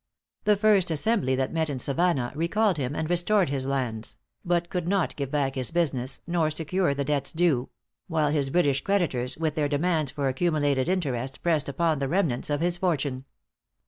The first Assembly that met in Savannah re called him and restored his lands; but could not give back his business, nor secure the debts due; while his British creditors, with their demands for accumulated interest, pressed upon the remnant of his fortune.